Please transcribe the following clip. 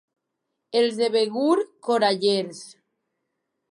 Els de Begur, corallers.